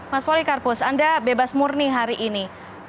mas polikarpus anda bebas murni hari ini